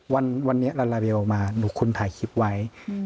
วันนี้ลาลาเบลออกมาหนูคนถ่ายคลิปไว้